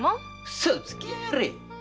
嘘つきやがれ！